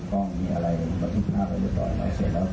แล้วนะครับแล้วก็มาขมันก็บอก